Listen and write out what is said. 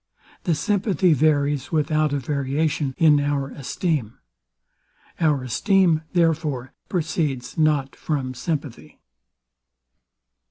The sympathy varies without a variation in our esteem. Our esteem, therefore, proceeds not from sympathy.